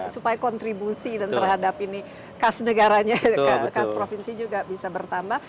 supaya kontribusi dan terhadap ini kas negaranya kas provinsi juga bisa bertambah